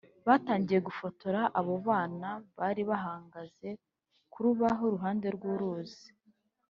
batangiye gufotora abo bana bari bahangaze ku rubaho iruhande rw’ uruzi